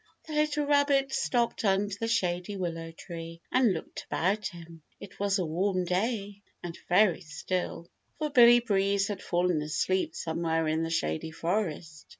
The little rabbit stopped under the shady willow tree and looked about him. It was a warm day and very still, for Billy Breeze had fallen asleep somewhere in the Shady Forest.